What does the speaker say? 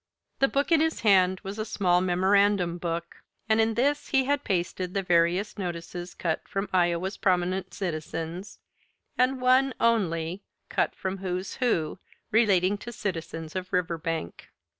The book in his hand was a small memorandum book, and in this he had pasted the various notices cut from "Iowa's Prominent Citizens" and one only cut from "Who's Who," relating to citizens of Riverbank.